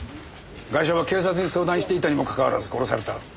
ガイシャは警察に相談していたにもかかわらず殺された。